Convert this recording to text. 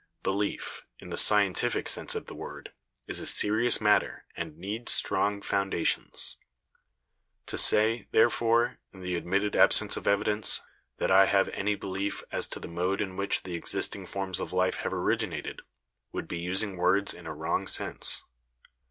Belief, in the scientific sense of the word, is a serious matter and needs strong foundations. To say, therefore, in the ad mitted absence of evidence, that I have any belief as to the mode in which the existing forms of life have originat ed, would be using words in a wrong sense.